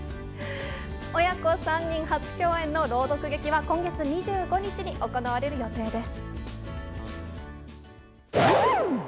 親子３人初共演の朗読劇は、今月２５日に行われる予定です。